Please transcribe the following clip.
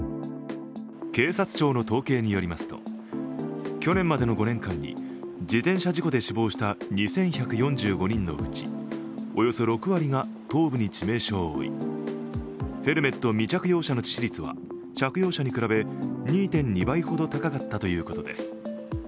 警察庁の統計によりますと去年までの５年間に自転車事故で死亡した２１４５人のうちおよそ６割が頭部に致命傷を負い、ヘルメット未着用者の致死率は着用者に比べ２．２倍ほど高かったということです。